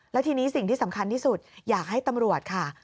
แล้วทีนี้สิ่งที่สำคัญที่สุดอยากให้ตำรวจค่ะ